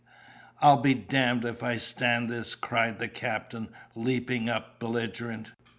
"I'll be damned if I stand this!" cried the captain, leaping up belligerent.